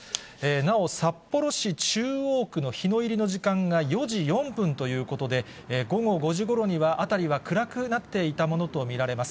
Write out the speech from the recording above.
なお、札幌市中央区の日の入りの時間が４時４分ということで、午後５時ごろには、辺りは暗くなっていたものと見られます。